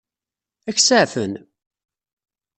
Ad k-saɛfen?